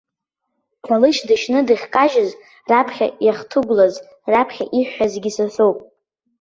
Қьалышь дышьны дахькажьыз раԥхьа иахҭыгәлаз, раԥхьа иҳәҳәазгьы са соуп.